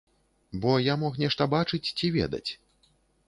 Бо я мог нешта бачыць ці ведаць.